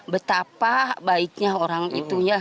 betapa baiknya orang itu ya